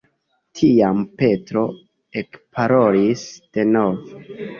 Tiam Petro ekparolis denove.